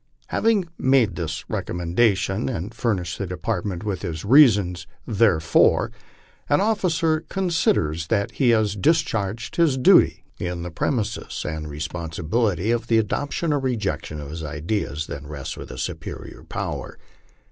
Having made this recommendation and fur nished the Department with his reasons therefor, an officer considers that he has discharged his duty in the premises, and the responsibility of the adoption or rejection of his ideas then rests with a superior power.